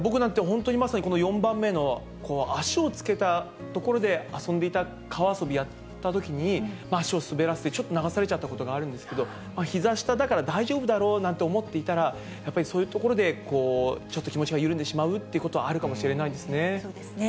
本当に、まさにこの４番目の足をつけた所で遊んでいた、川遊びやったときに、足を滑らせてちょっと流されちゃったことがあるんですけど、ひざ下だから大丈夫だろうなんて思っていたら、やっぱりそういうところで、ちょっと気持ちが緩んでしまうということはあるかもしそうですね。